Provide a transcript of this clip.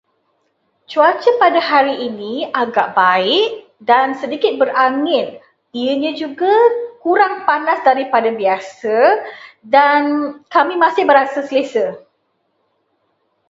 Cuaca pada hari ini agak baik dan sedikit berangin. Ianya juga kurang panas daripada biasa dan kami masih berasa selesa.